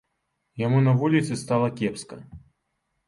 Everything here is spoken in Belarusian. Яму на вуліцы стала кепска.